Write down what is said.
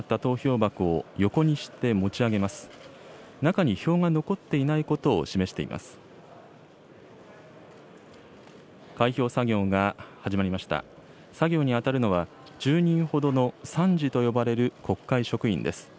作業に当たるのは、１０人ほどの参事と呼ばれる国会職員です。